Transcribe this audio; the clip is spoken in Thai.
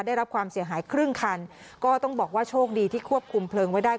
ได้รับความเสียหายครึ่งคันก็ต้องบอกว่าโชคดีที่ควบคุมเพลิงไว้ได้